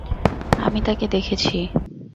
আমি তাকে দেখেছি।